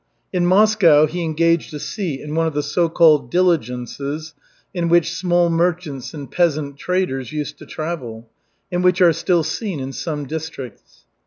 In Moscow he engaged a seat in one of the so called "diligences," in which small merchants and peasant traders used to travel, and which are still seen in some districts.